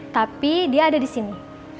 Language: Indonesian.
tapi dia ada di sini